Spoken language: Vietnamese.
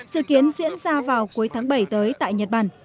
dự kiến diễn ra vào cuối tháng bảy tới tại nhật bản